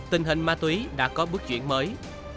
tình hình ma túy đã có bước chuyển mới